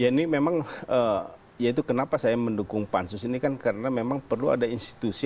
ya ini memang ya itu kenapa saya mendukung pansus ini kan karena memang perlu ada institusi